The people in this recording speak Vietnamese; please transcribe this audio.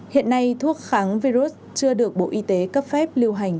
hiện nay thuốc kháng virus chưa được bộ y tế cấp phép lưu hành